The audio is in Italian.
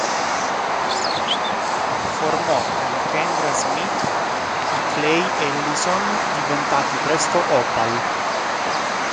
Formò con Kendra Smith i Clay Allison diventati presto Opal.